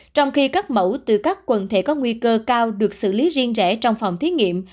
trong khi các mẫu từ các quần thể có nguy cơ cao được xử lý riêng rẽ trong phòng thí nghiệm